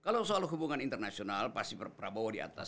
kalau soal hubungan internasional pasti prabowo di atas